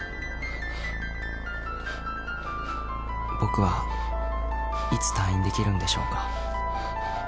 ［僕はいつ退院できるんでしょうか］